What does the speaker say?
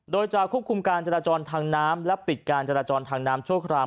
โดยจะควบคุมการจราจรทางน้ำและปิดการจราจรทางน้ำชั่วคราว